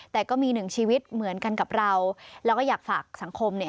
แต่ก็มีหนึ่งชีวิตเหมือนกันกับเราแล้วก็อยากฝากสังคมเนี่ย